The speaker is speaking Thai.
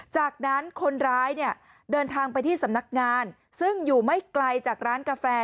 จากนั้นคนร้ายเนี่ยเดินทางไปที่สำนักงานซึ่งอยู่ไม่ไกลจากร้านกาแฟ